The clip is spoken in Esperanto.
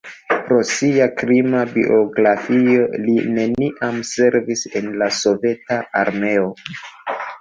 Pro sia krima biografio li neniam servis en la Soveta Armeo.